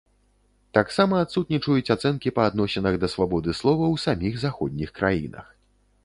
Таксама адсутнічаюць ацэнкі па адносінах да свабоды слова ў саміх заходніх краінах.